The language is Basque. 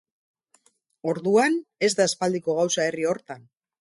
Orduan, ez da aspaldiko gauza herri hortan.